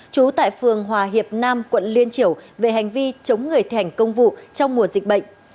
trú tại phường hòa hiệp nam quận liên triểu về hành vi chống người thẻnh công vụ trong mùa dịch bệnh